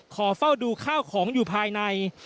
ขอเฝ้าดูข้าวของอยู่ภายใน